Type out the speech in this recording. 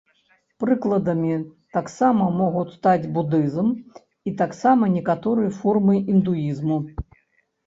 Прыкладамі таксама могуць стаць будызм і таксама некаторыя формы індуізму.